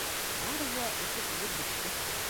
Барыһы ла эсеп үлеп бөттө.